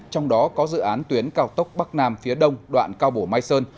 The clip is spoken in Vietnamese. trong đó có dự án tuyến cao tốc bắc nam phía đông đoạn cao bổ mai sơn